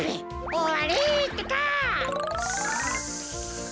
おわりってか！